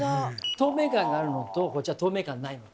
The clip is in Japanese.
透明感があるのとこっちは透明感ないのと。